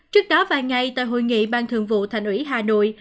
trước đó vài ngày tại hội nghị ban thường vụ thành ủy hà nội